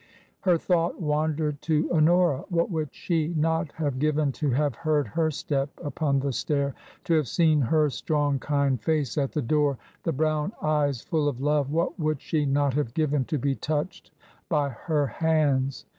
Her thought wandered to Honora. What would she not have given to have heard her step upon the stair, to have seen her strong, kind face at the door, the brown eyes full of love — what would she not have given to be touched by her hands!